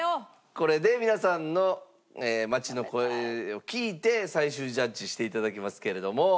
これで皆さんの街の声を聞いて最終ジャッジして頂きますけれども。